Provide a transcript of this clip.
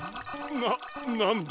ななんだ！？